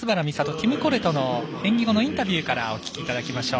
ティム・コレトの演技後のインタビューからお聞きいただきましょう。